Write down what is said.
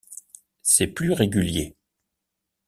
C’est plus régulier.